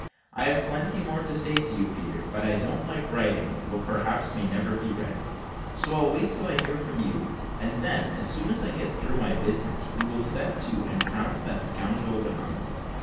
I have plenty more to say to you, Peter; but I don't like writing what, perhaps, may never be read, so I'll wait till I hear from you; and then, as soon as I get through my business, we will set to and trounce that scoundrel of an uncle.